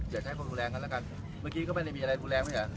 อยากใช้คนแรงกันละกันเมื่อกี้ก็ไม่ได้มีอะไรฟูแรงไหมอ่ะ